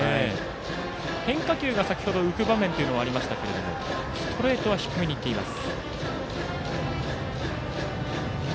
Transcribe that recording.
変化球が先ほど浮く場面がありましたけれどもストレートは低めにいっています。